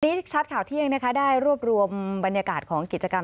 ชัดข่าวเที่ยงนะคะได้รวบรวมบรรยากาศของกิจกรรม